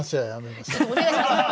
お願いします。